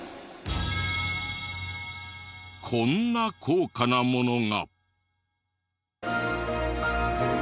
こんな高価なものが。